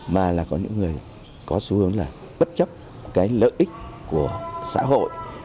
mà là có những người có xu hướng là bất chấp cái lợi ích của xã hội